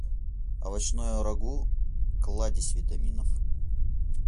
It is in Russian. Овощное рагу - кладезь витаминов.